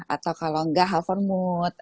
atau kalau tidak halvermude